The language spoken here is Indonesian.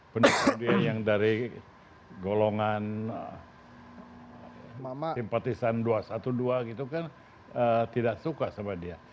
penuh dia yang dari golongan simpatisan dua satu dua gitu kan tidak suka sama dia